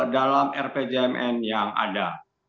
dalam rpjmn yang ada